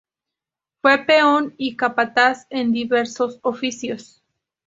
Fue peón y capataz en diversos oficios.